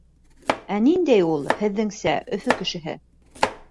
Ә ниндәй ул, һеҙҙеңсә, Өфө кешеһе?